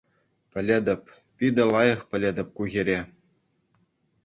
Пӗлетӗп... Питӗ лайӑх пӗлетӗп ку хӗре.